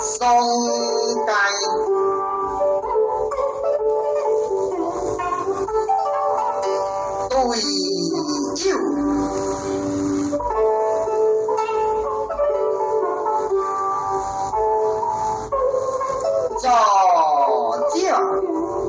สังสังขจ้าเชี่ยวเจ้านึก